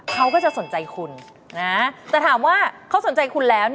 เขาก็จะสนใจคุณนะแต่ถามว่าเขาสนใจคุณแล้ว